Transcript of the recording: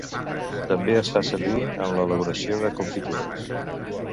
També es fa servir en l'elaboració de confitures.